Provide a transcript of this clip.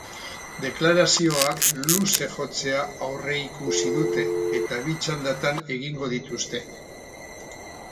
Deklarazioak luze jotzea aurreikusi dute eta bi txandatan egingo dituzte.